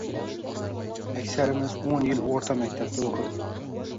Aksarimiz o'n yil o‘rta maktabda o‘qib